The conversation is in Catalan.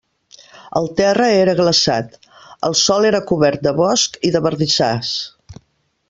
El terra era glaçat; el sòl era cobert de boscs i de bardissars.